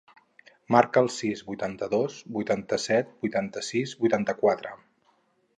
Marca el sis, vuitanta-dos, vuitanta-set, vuitanta-sis, vuitanta-quatre.